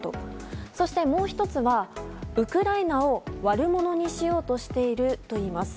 そしてもう１つがウクライナを悪者にしようとしているといいます。